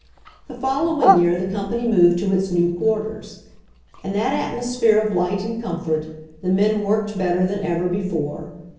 The following year the company moved to its new quarters. In that atmosphere of light and comfort the men worked better than ever before.